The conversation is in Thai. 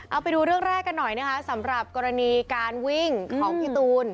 เอาไปดูเรื่องแรกกันหน่อยนะคะสำหรับกรณีการวิ่งของพี่ตูน